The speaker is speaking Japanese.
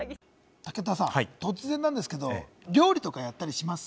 武田さん、突然なんですけど、料理とかやったりします？